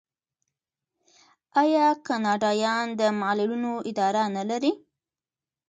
آیا کاناډا د معلولینو اداره نلري؟